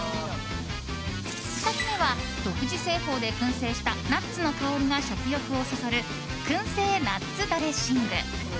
２つ目は、独自製法で燻製したナッツの香りが食欲をそそるくんせいナッツドレッシング。